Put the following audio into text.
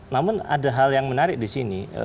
namun ada hal yang menarik di sini